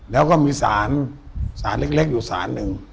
แล้วก็มีสารสารเล็กอยู่สารหนึ่ง